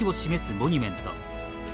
モニュメント。